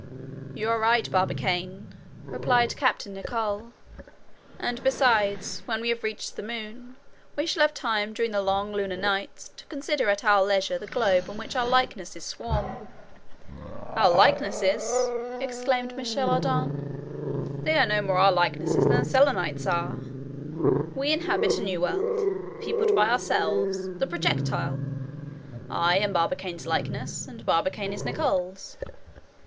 "You are right, Barbicane," replied Captain Nicholl; "and, besides, when we have reached the moon, we shall have time during the long lunar nights to consider at our leisure the globe on which our likenesses swarm." "Our likenesses!" exclaimed Michel Ardan; "They are no more our likenesses than the Selenites are! We inhabit a new world, peopled by ourselves—the projectile! I am Barbicane's likeness, and Barbicane is Nicholl's.